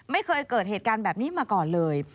ไม่เคยเกิดเหตุการณ์แบบนี้มาก่อนเลย